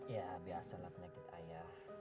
ya biasalah penyakit ayah